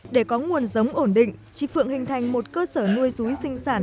để có nguồn giống ổn định chị phượng hình thành một cơ sở nuôi ruối sinh sản